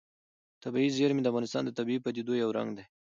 طبیعي زیرمې د افغانستان د طبیعي پدیدو یو رنګ دی.